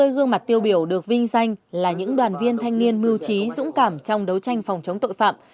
năm mươi gương mặt tiêu biểu được vinh danh là những đoàn viên thanh niên mưu trí dũng cảm trong đấu tranh phòng chống tội phạm